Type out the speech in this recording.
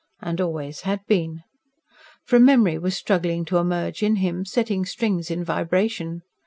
And always had been. For a memory was struggling to emerge in him, setting strings in vibration.